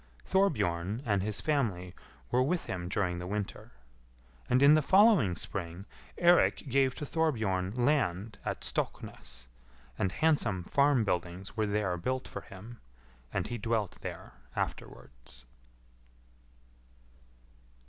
Thorbjorn and his family were with him during the winter. And in the following spring Eirik gave to Thorbjorn land at Stokknes, and handsome farm buildings were there built for him, and he dwelt there afterwards.